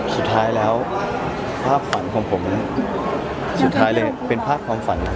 สุดท้ายแล้วภาพฝันของผมสุดท้ายเลยเป็นภาพความฝัน